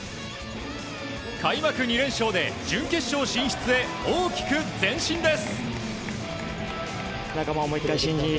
開幕２連勝で準決勝進出へ大きく前進です。